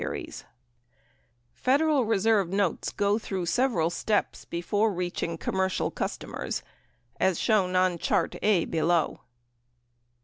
87 Federal Reserve notes go through several steps before reaching com mercial customers, as shown on Chart A below.